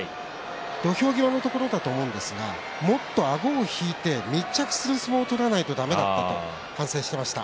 土俵際のところだと思うんですがもっとあごを引いて密着する相撲を取らないとだめだったと反省していました。